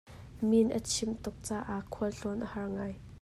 Min a chimh tuk caah khualtlawn a har ngai.